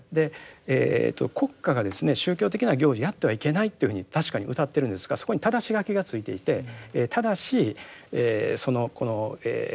国家がですね宗教的な行事やってはいけないっていうふうに確かにうたっているんですがそこにただし書きが付いていてただしこの習俗とかですね